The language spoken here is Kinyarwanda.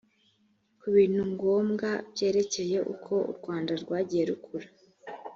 ku bintu ngombwa byerekeye uko u rwanda rwagiye rukura